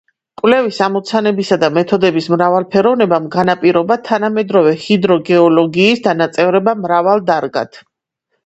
კვლევის ამოცანებისა და მეთოდების მრავალფეროვნებამ განაპირობა თანამედროვე ჰიდროგეოლოგიის დანაწევრება მრავალ დარგად.